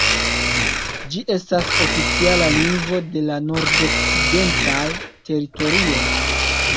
Ĝi estas oficiala lingvo de la Nordokcidentaj Teritorioj.